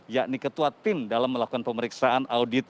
yakni ketua tim dalam melakukan pemeriksaan audit